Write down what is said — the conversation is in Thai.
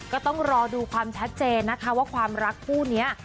ก็ต้องรอดูความชัดเจนนะคะว่าความรักคู่นี้